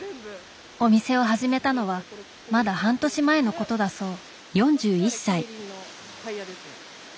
お店を始めたのはまだ半年前のことだそう。